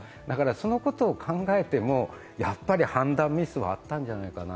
そのことを考えても、やっぱり判断ミスはあったんじゃないかな。